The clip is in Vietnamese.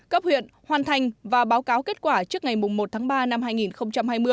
cấp huyện hoàn thành và báo cáo kết quả trước ngày một tháng ba năm hai nghìn hai mươi